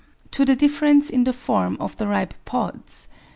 To the difference in the form of the ripe pods.